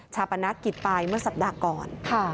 ปนักกิจไปเมื่อสัปดาห์ก่อน